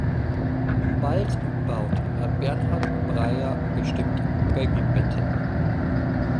Bald baut Bernhard Breyer bestimmt Babybetten.